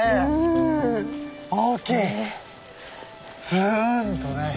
ずんとね。